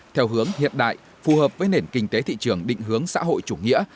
theo hướng hiện đại phù hợp với nền kinh tế thị trường định hướng xã hội chủ nghĩa